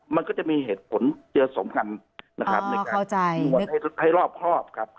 มันก็จะมีเหตุผลเจอสมคัญอ๋อเข้าใจนวดให้รอบครอบครับ